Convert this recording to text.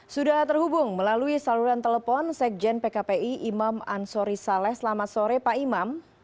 sudah terhubung melalui saluran telepon sekjen pkpi imam ansori saleh selamat sore pak imam